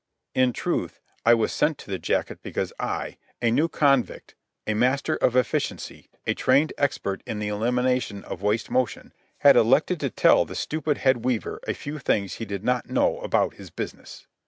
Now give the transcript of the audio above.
In truth, I was sent to the jacket because I, a new convict, a master of efficiency, a trained expert in the elimination of waste motion, had elected to tell the stupid head weaver a few things he did not know about his business.